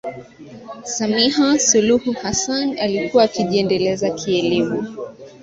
Samia Suluhu Hassan alikuwa akijiendeleza kielemu